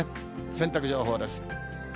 洗濯情報です。